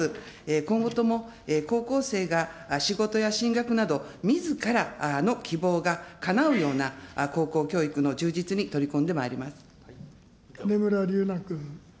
今後とも高校生が仕事や進学など、みずからの希望がかなうような高校教育の充実に取り組んでまいり金村龍那君。